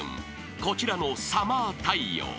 ［こちらのサマー太陽］